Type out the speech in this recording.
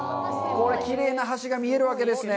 きれいな橋が見えるわけですね。